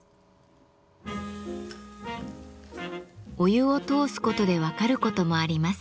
お湯を通すことで分かることもあります。